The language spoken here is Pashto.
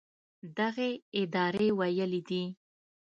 دغې ادارې ویلي دي